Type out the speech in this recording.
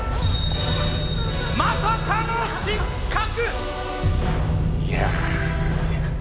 まさかの失格！